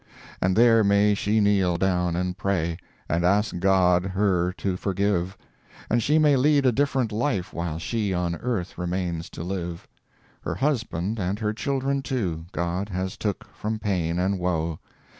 And there may she kneel down and pray, And ask God her to forgive; And she may lead a different life While she on earth remains to live. Her husband and her children, too, God has took from pain and woe.